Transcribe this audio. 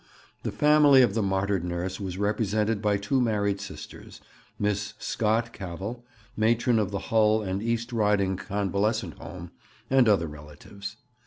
The family of the martyred nurse was represented by two married sisters, Miss Scott Cavell, matron of the Hull and East Riding Convalescent Home, and other relatives.